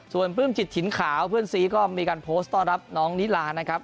ส่วนปลื้มจิตถิ่นขาวเพื่อนซีก็มีการโพสต์ต้อนรับน้องนิลานะครับ